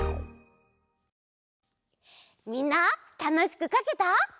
みんなたのしくかけた？